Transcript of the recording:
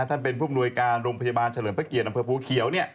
ท่านเป็นผู้ผู้นวยการโรงพยาบาลเฉลิมภะเกียร์ดภูเขียว